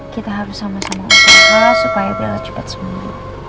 kita harus sama sama usaha supaya bella cepet sembuh